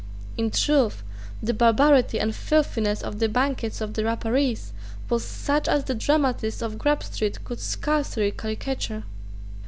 In truth the barbarity and filthiness of the banquets of the Rapparees was such as the dramatists of Grub Street could scarcely caricature.